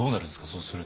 そうすると。